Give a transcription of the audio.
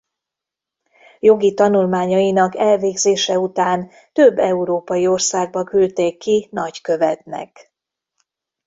Jogi tanulmányainak elvégzése után több európai országba küldték ki nagykövetnek.